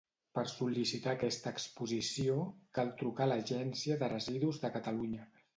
Per sol·licitar aquesta exposició cal trucar a l'Agència de Residus de Catalunya.